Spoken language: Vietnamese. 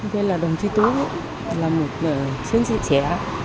thế là đồng chí tú là một chiến sĩ trẻ